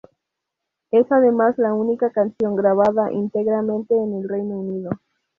Es además la única canción grabada íntegramente en el Reino Unido.